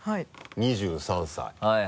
２３歳。